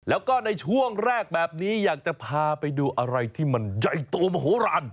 แล้วก็ในช่วงแรกแบบนี้อยากจะพาไปดูอะไรที่มันใหญ่โตมโหลาน